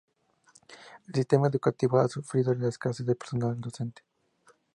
El sistema educativo ha sufrido la escasez de personal docente.